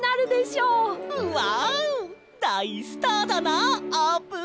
うわだいスターだなあーぷん！